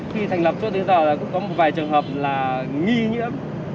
khi thành lập cho tới giờ là cũng có một vài trường hợp là nghi nhiễm